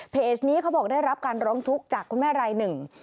นี้เขาบอกได้รับการร้องทุกข์จากคุณแม่รายหนึ่ง